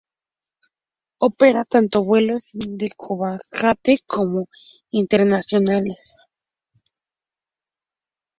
Opera tanto vuelos de cabotaje como internacionales.